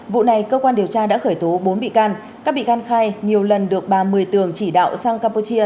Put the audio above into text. vụ này cơ quan điều tra đã khởi tố bốn bị can các bị can khai nhiều lần được bà mười tường chỉ đạo sang campuchia